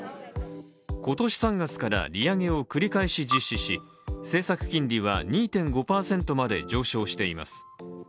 今年３月から利上げを繰り返し実施し政策金利は２．５％まで上昇しています。